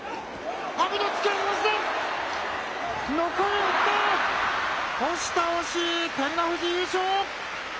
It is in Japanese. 阿炎、押し倒し、照ノ富士、優勝。